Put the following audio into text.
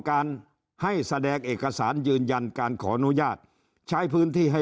การให้แสดงเอกสารยืนยันการขออนุญาตใช้พื้นที่ให้